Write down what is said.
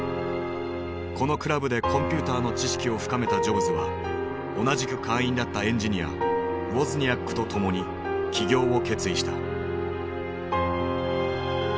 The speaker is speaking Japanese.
このクラブでコンピューターの知識を深めたジョブズは同じく会員だったエンジニアウォズニアックとともに起業を決意した。